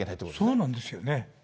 そうなんですよね。